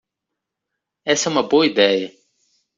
Essa é uma boa ideia.